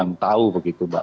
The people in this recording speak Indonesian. yang tahu begitu mbak